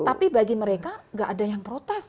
tapi bagi mereka nggak ada yang protes